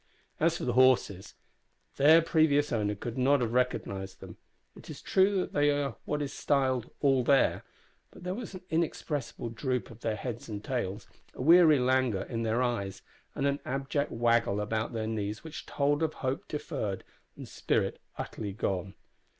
As for the horses their previous owner could not have recognised them. It is true they were what is styled "all there," but there was an inexpressible droop of their heads and tails, a weary languor in their eyes, and an abject waggle about their knees which told of hope deferred and spirit utterly gone.